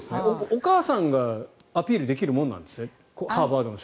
お母さんがアピールできるもんなんですね。